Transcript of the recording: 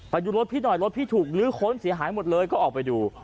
ไปดูรถพี่หน่อยรถพี่ถูกลื้อค้นเสียหายหมดเลยก็ออกไปดู